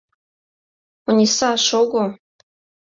Ониса, шого.